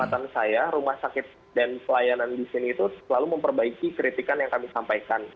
dan sejauh pengamatan saya rumah sakit dan pelayanan disini tuh selalu memperbaiki kritikan yang kami sampaikan